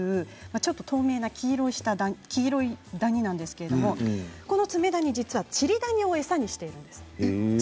ちょっと黄色いダニなんですけれどもこのツメダニは実はチリダニを餌にしているんです。